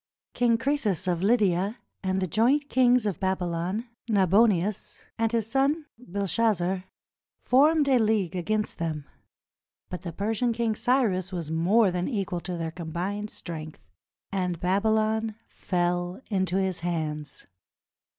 King Croesus of Lydia and the joint kings of Babylon, Nabonius and his son Belshazzar, formed a league against them; but the Persian King Cyrus was more than equal to their com bined strength, and Babylon fell into his hands.